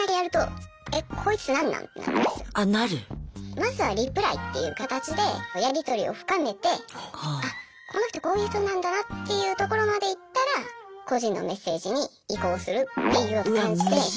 まずはリプライっていう形でやりとりを深めてあっこの人こういう人なんだなっていうところまでいったら個人のメッセージに移行するっていう感じで。